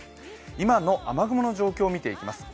今の雨雲の状況を見ていきます。